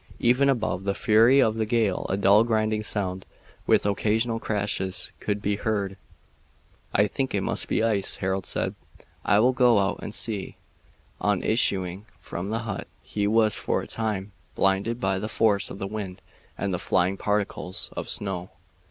Even above the fury of the gale a dull grinding sound, with occasional crashes, could be heard. "I think it must be the ice," Harold said. "I will go out and see." On issuing from the hut he was for a time blinded by the force of the wind and the flying particles of snow.